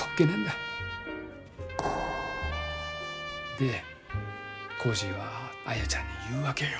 でコージーはアヤちゃんに言うわけよ。